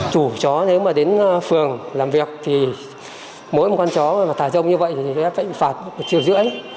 chú chó nếu mà đến phường làm việc thì mỗi con chó thả rông như vậy thì sẽ phải phạt một triệu rưỡi